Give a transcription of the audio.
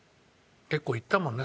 結構行ったもんね